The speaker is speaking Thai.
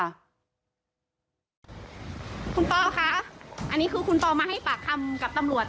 คุณปอคะอันนี้คือคุณปอมาให้ปากคำกับตำรวจ